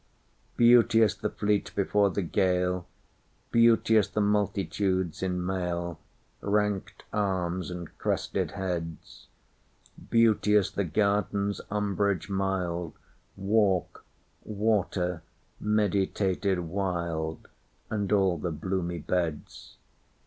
Beauteous the fleet before the gale; Beauteous the multitudes in mail, Ranked arms, and crested heads; Beauteous the garden's umbrage mildWalk, water, meditated wild, And all the bloomy beds.